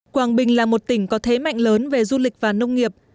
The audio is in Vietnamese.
quảng bình là một tỉnh có thế mạnh lớn về du lịch và nông nghiệp